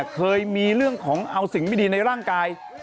เคยมีเรื่องของเอาสิ่งไม่ดีในร่างกาย